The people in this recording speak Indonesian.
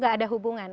gak ada hubungan